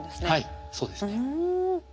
はいそうですね。